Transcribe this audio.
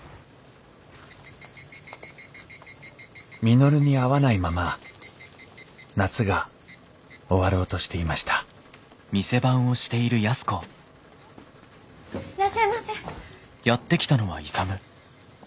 ・稔に会わないまま夏が終わろうとしていました・いらっしゃいませ。